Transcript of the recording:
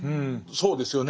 そうですよね。